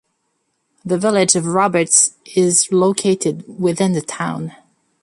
The village of Roberts is located within the town.